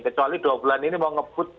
kecuali dua bulan ini mau ngebut